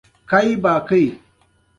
د موټر چالان کول باید اسانه وي.